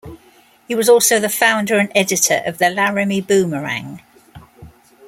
He was also the founder and editor of the "Laramie Boomerang".